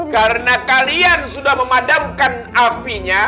karena kalian sudah memadamkan apinya